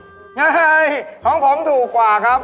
ง่ายของผมถูกกว่าครับ